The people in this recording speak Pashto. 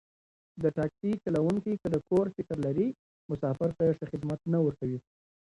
د تاکسي چلوونکی که د کور فکر لري، مسافر ته ښه خدمت نه ورکوي.